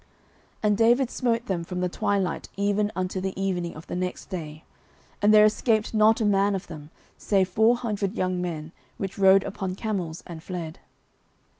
09:030:017 And David smote them from the twilight even unto the evening of the next day: and there escaped not a man of them, save four hundred young men, which rode upon camels, and fled.